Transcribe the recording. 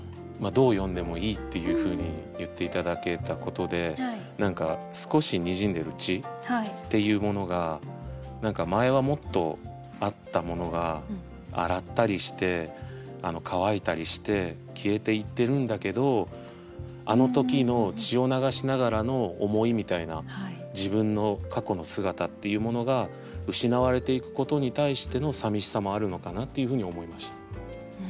どう読んでもいいっていうふうに言って頂けたことで少しにじんでる血っていうものが前はもっとあったものが洗ったりして乾いたりして消えていってるんだけどあの時の血を流しながらの思いみたいな自分の過去の姿っていうものが失われていくことに対してのさみしさもあるのかなっていうふうに思いました。